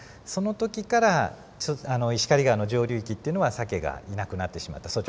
その時から石狩川の上流域っていうのはサケがいなくなってしまった。